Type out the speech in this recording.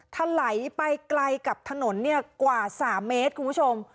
ถลายไปไกลกับถนนกว่า๓เมตรคุณผู้ชม